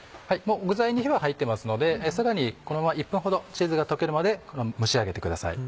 具材に火は入ってますのでさらにこのまま１分ほどチーズが溶けるまで蒸し上げてください。